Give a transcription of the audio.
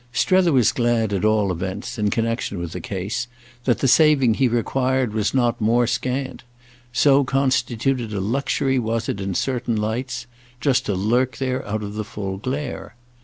Strether was glad at all events, in connexion with the case, that the saving he required was not more scant; so constituted a luxury was it in certain lights just to lurk there out of the full glare.